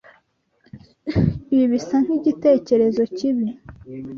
Ibi bisa nkigitekerezo kibi.